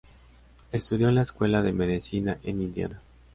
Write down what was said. Estudió en la Escuela de medicina en Indiana.